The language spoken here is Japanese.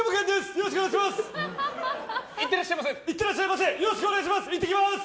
よろしくお願いします！